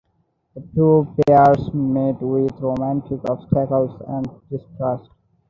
The two pairs meet with romantic obstacles and distrust.